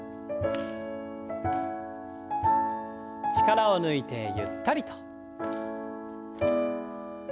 力を抜いてゆったりと。